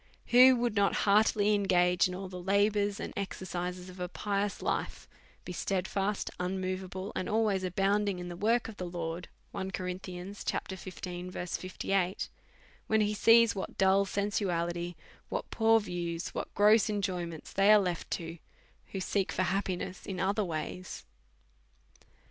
Who would not heartily engage in all the labours and exer cises of a pious life, be stedfast, immovable, and al ways abounding in the work of the Lord, when he sees what dull sensuality, what poor views, what gross enjoyments, they are left to seek, who seek for happi ness in other ways?